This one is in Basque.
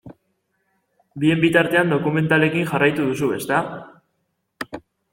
Bien bitartean dokumentalekin jarraitu duzu, ezta?